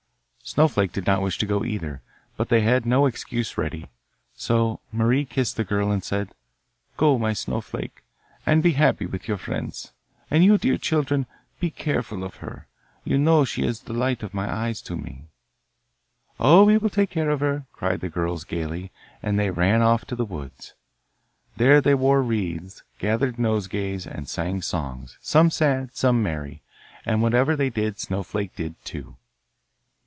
Snowflake did not wish to go either, but they had no excuse ready. So Marie kissed the girl and said: 'Go, my Snowflake, and be happy with your friends, and you, dear children, be careful of her. You know she is the light of my eyes to me.' 'Oh, we will take care of her,' cried the girls gaily, and they ran off to the woods. There they wore wreaths, gathered nosegays, and sang songs some sad, some merry. And whatever they did Snowflake did too.